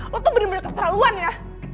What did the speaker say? oh tuh bener bener keterlaluan ya